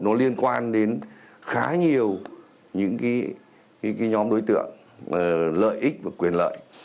nó liên quan đến khá nhiều những cái nhóm đối tượng lợi ích và quyền lợi